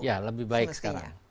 iya lebih baik sekarang